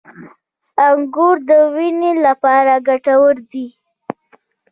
• انګور د وینې لپاره ګټور دي.